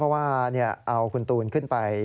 เพราะว่าเอาคุณตูนขึ้นไป